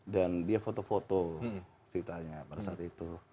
dan dia foto foto ceritanya pada saat itu